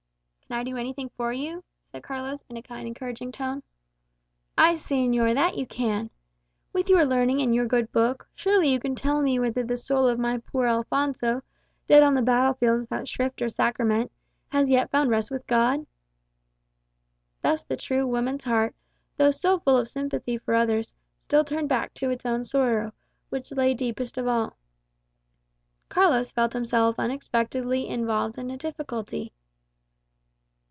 "Can I do anything for you?" said Carlos, in a kind, encouraging tone. "Ay, señor, that you can. With your learning and your good Book, surely you can tell me whether the soul of my poor Alphonso, dead on the battle field without shrift or sacrament, has yet found rest with God?" Thus the tree woman's heart, though so full of sympathy for others, still turned back to its own sorrow, which lay deepest of all. Carlos felt himself unexpectedly involved in a difficulty.